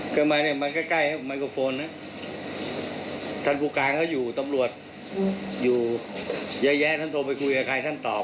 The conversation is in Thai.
ก็มาเนี่ยมันใกล้ใกล้ไมโครโฟนนะท่านผู้การเขาอยู่ตำรวจอยู่เยอะแยะท่านโทรไปคุยกับใครท่านตอบ